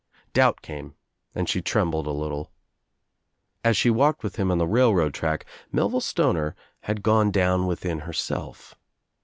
Doubt came and she trembled a little. As she walked with him on the railroad track Melville Stoner had gone down within herself.